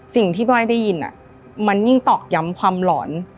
พี่บ้อยได้ยินมันยิ่งตอกย้ำความหลอน